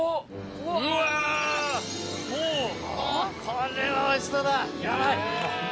これはおいしそうだヤバい。